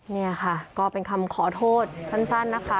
นี่ค่ะก็เป็นคำขอโทษสั้นนะคะ